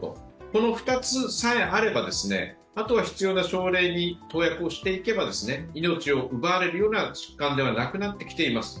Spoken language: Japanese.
この２つさえあれば、あとは必要な、症例に投薬をしていけば命を奪われるような疾患ではなくなってきています。